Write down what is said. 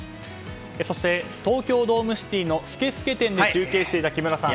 そして、東京ドームシティの「スケスケ展」で中継していた木村さん。